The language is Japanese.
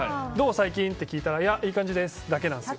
最近って聞いたらいい感じです、だけなんです。